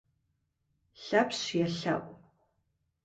Лъэпщ елъэӀу.